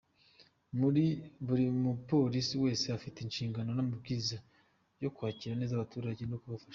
Buri mupolisi wese afite inshingano n’amabwiriza yo kwakira neza abaturage no kubafasha.